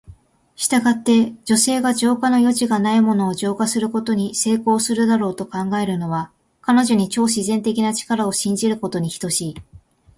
したがって、女性が浄化の余地がないものを浄化することに成功するだろうと考えるのは、彼女に超自然的な力を信じることに等しい。